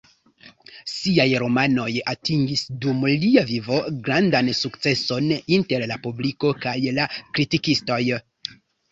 Siaj romanoj atingis, dum lia vivo, grandan sukceson inter la publiko kaj la kritikistoj.